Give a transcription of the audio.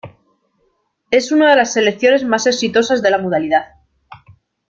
Es una de las selecciones más exitosas de la modalidad.